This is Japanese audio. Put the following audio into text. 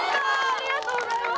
ありがとうございます。